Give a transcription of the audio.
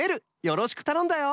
よろしくたのんだよ！